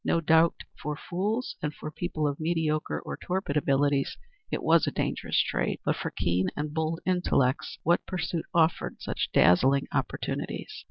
No doubt for fools and for people of mediocre or torpid abilities it was a dangerous trade; but for keen and bold intellects what pursuit offered such dazzling opportunities?